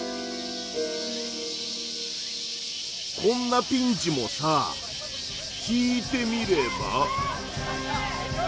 こんなピンチもさ引いてみれば。